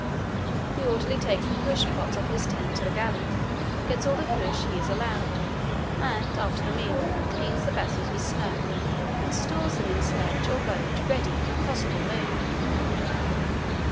The orderly takes the hoosh pots of his tent to the galley, gets all the hoosh he is allowed, and, after the meal, cleans the vessels with snow and stores them in sledge or boat ready for a possible move."